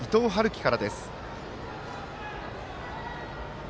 稀からです。